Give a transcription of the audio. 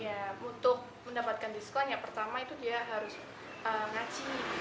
ya untuk mendapatkan diskon yang pertama itu dia harus ngaji